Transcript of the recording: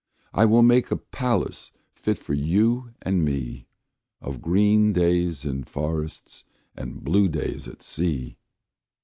I will make a palace fit for you and me, Of green days in forests and blue days at sea.